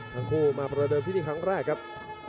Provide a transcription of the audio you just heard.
ทั้งคู่มาประเดิมที่นี่ครั้งแรกครับ